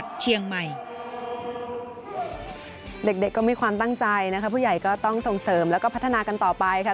เด็กก็มีความตั้งใจนะคะผู้ใหญ่ก็ต้องส่งเสริมแล้วก็พัฒนากันต่อไปค่ะ